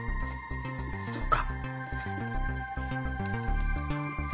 そっか。